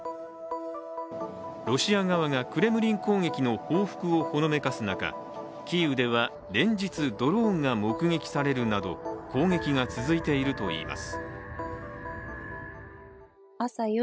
ロシア側がクレムリン攻撃の報復をほのめかす中、キーウでは連日、ドローンが目撃されるなど攻撃が続いているといいます。